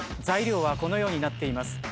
材料はこのようになっています。